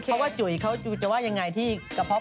กะเพาะปัสสาวะพุทธมันไม่ธรรมดาหรอกฮะ